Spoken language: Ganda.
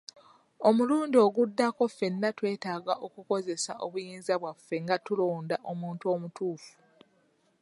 Omulundi oguddako ffenna twetaaga okukozesa obuyinza bwaffe nga tulonda omuntu omutuufu.